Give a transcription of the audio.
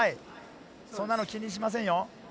そんなの気にしませんよ。